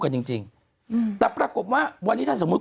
คุณหนุ่มกัญชัยได้เล่าใหญ่ใจความไปสักส่วนใหญ่แล้ว